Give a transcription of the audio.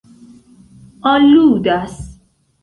aludas